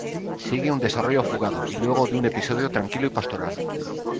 Sigue un desarrollo fugado, y luego de un episodio tranquilo y pastoral.